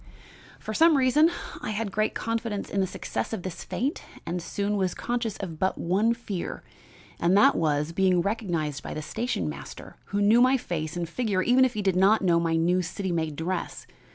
"For some reason I had great confidence in the success of this feint and soon was conscious of but one fear, and that was being recognized by the station master, who knew my face and figure even if he did not know my new city made dress.